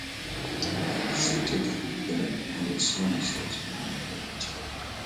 I visited the gallery on a sunny Saturday morning in July.